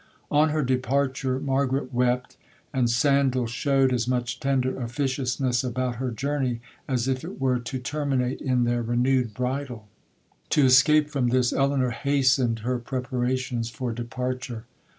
'On her departure, Margaret wept, and Sandal shewed as much tender officiousness about her journey, as if it were to terminate in their renewed bridal. To escape from this, Elinor hastened her preparations for departure.